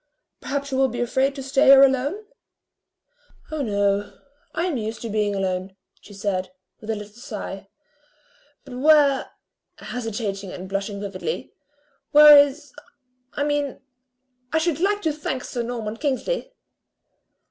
Perhaps you will be afraid to stay here alone?" "Oh no, I am used to being alone," she said, with a little sigh, "but where" hesitating and blushing vividly, "where is I mean, I should like to thank sir Norman Kingsley."